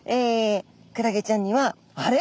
クラゲちゃんにはあれ？